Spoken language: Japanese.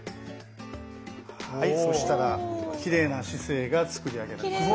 そうしたらきれいな姿勢が作り上げられますね。